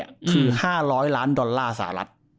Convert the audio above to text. คือ๕๐๐ล้านดอลลาร์สหรัฐ